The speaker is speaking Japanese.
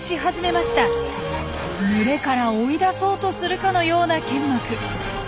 群れから追い出そうとするかのようなけんまく。